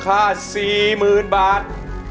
เครงนี้มูลค่า๔๐๐๐๐บาท